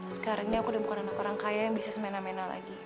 sekarang ini aku udah bukan anak orang kaya yang bisa semena mena lagi